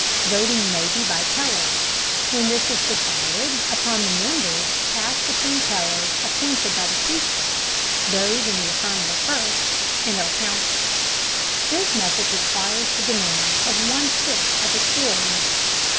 Voting may be by tellers. When this is decided upon the members pass between tellers appointed by the Speaker those in the affirmative first and are counted. This method requires the demand of one fifth of a quorum.